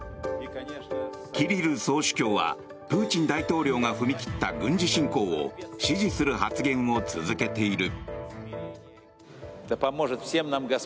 キリル総主教はプーチン大統領が踏み切った軍事侵攻を支持する発言を続けている。